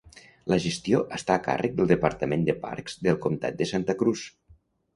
La gestió està a càrrec del departament de parcs del comtat de Santa Cruz.